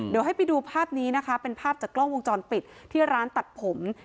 เดี๋ยวให้ไปดูภาพนี้นะคะเป็นภาพจากกล้องวงจรปิดที่ร้านตัดผม